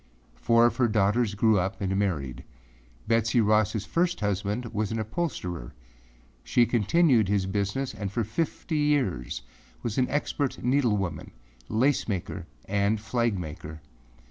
Four of her daughters grew up and married. Betsey Rossâ first husband was an upholsterer. She continued his business and for fifty years was an expert needlewoman, lace maker and flag maker.